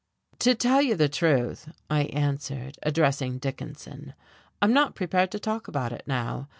"To tell you the truth," I answered, addressing Dickinson, "I'm not prepared to talk about it now.